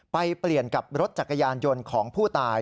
ไปเปลี่ยนกับรถจักรยานยนต์ของผู้ตาย